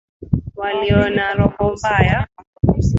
Walio na roho mbaya.